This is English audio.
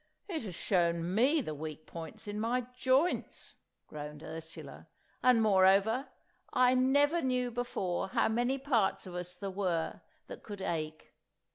"It has shown me the weak points in my joints," groaned Ursula. "And, moreover, I never knew before how many parts of us there were that could ache.